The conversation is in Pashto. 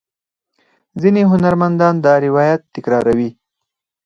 ځینې هنرمندان دا روایت تکراروي.